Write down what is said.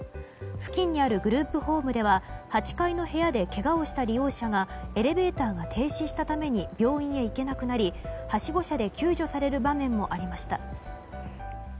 付近にあるグループホームでは８階の部屋でけがをした利用者がエレベーターが停止したために病院へ行けなくなりはしご車で救助される場面もありました。